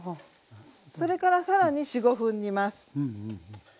それからさらに４５分煮ます。